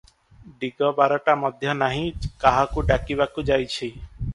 ଦିଗବାରଟା ମଧ୍ୟ ନାହିଁ, କାହାକୁ ଡାକିବାକୁ ଯାଇଛି ।